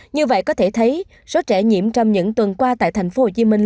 như vậy có thể thấy số trẻ nhiễm trong những tuần qua tại thành phố hồ chí minh